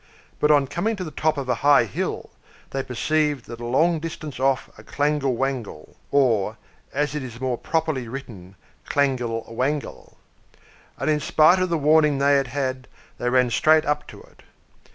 But, on coming to the top of a high hill, they perceived at a long distance off a Clangle Wangle (or, as it is more properly written, Clangel Wangel); and, in spite of the warning they had had, they ran straight up to it.